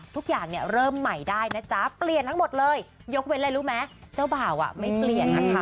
ทุกอย่างเนี่ยเริ่มใหม่ได้นะจ๊ะเปลี่ยนทั้งหมดเลยยกเว้นอะไรรู้ไหมเจ้าบ่าวไม่เปลี่ยนนะคะ